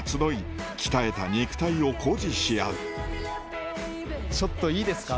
鍛えた肉体を誇示し合うちょっといいですか？